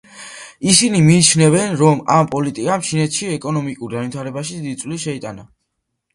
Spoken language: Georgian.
ისინი მიიჩნევენ რომ ამ პოლიტიკამ ჩინეთის ეკონომიკურ განვითარებაში დიდი წვლილი შეიტანა.